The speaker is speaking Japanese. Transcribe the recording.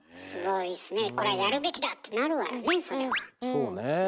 そうね。